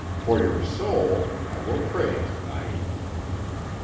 For your soul, I will pray to night."